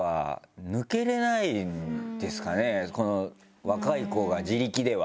これは若い子が自力では。